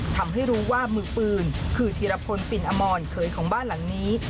ทำให้รู้ว่ามือปืนคือธีรพลปินอมรเคยของบ้านหลังนี้